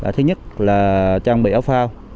thứ nhất là trang bị áo phao